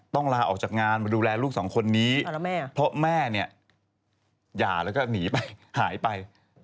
ลาออกจากงานมาดูแลลูกสองคนนี้เพราะแม่เนี่ยหย่าแล้วก็หนีไปหายไป